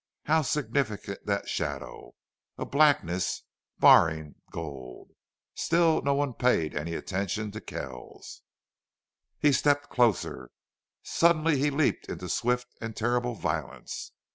How significant that shadow a blackness barring gold! Still no one paid any attention to Kells. He stepped closer. Suddenly he leaped into swift and terrible violence.